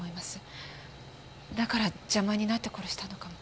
だから邪魔になって殺したのかも。